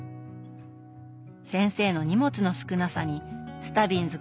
先生の荷物の少なさにスタビンズ君は驚きます。